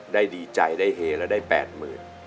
ได้ดีใจได้เฮละได้แปดหมื่น